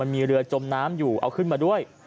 มีเรือจมน้ำอยู่เอาขึ้นมาด้วย